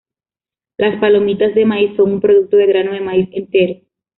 Las palomitas de maíz son un producto de grano de maíz entero.